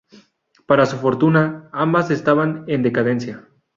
Para su fortuna, ambas estaban en decadencia.